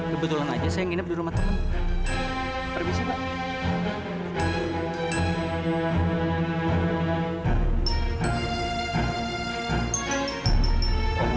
kebetulan aja saya nginep di rumah teman